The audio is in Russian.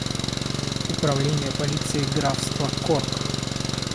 Управление полицией графства Корк.